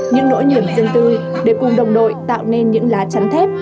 những nỗi niềm dân tư để cùng đồng đội tạo nên những lá chắn thép